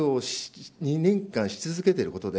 マスクを２年間し続けている